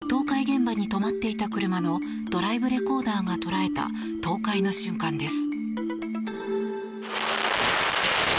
こちらは倒壊現場に止まっていた車のドライブレコーダーが捉えた倒壊の瞬間です。